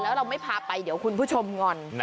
แล้วเราไม่พาไปเดี๋ยวคุณผู้ชมงอน